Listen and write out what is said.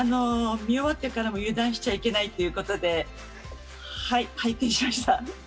見終わってからも油断しちゃいけないということで拝見しました。